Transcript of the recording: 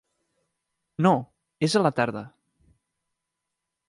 No, és a la tarda.